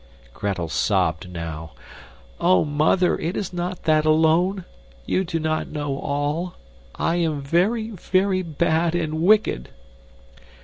Gretel sobbed now. "Oh, mother, it is not that alone you do not know all. I am very, very bad and wicked!"